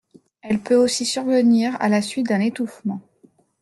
Elle peut aussi survenir à la suite d'un étouffement.